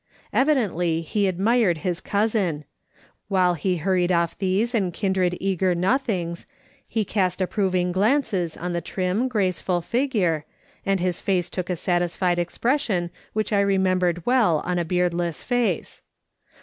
Evi dently he admired ]iis cousin; while he hurried off these and kindred eager nothings, he cast approving glances on the trim, graceful figure, and his face took a satisfied expression which I remembered well on a beardless face.